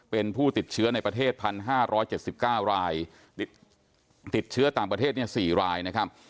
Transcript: เป็นผู้ติดเชื้อในประเทศ๑๕๗๙รายติดเชื้อต่างประเทศ๔รายนะครับ